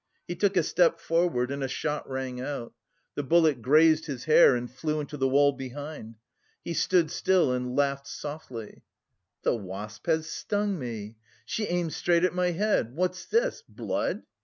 He took a step forward and a shot rang out. The bullet grazed his hair and flew into the wall behind. He stood still and laughed softly. "The wasp has stung me. She aimed straight at my head. What's this? Blood?"